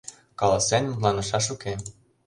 Каласен — мутланышаш уке.